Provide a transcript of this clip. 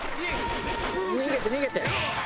逃げて逃げて！